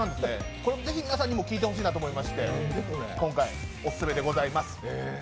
これぜひ皆さんにも聴いていただきたいと思って今回オススメでございます。